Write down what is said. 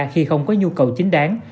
khi không có nhu cầu chính đáng